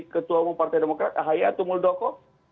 ketua partai demokrat ahaya atau muldoko